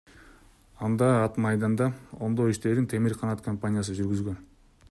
Анда ат майданда оңдоо иштерин Темир Канат компаниясы жүргүзгөн.